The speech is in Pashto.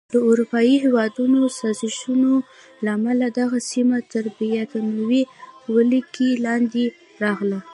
د اروپایي هېوادونو سازشونو له امله دغه سیمه تر بریتانوي ولکې لاندې راغله.